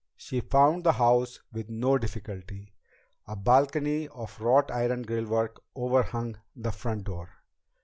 She found the house with no difficulty. A balcony of wrought iron grillwork overhung the front door.